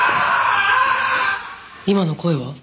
今の声は？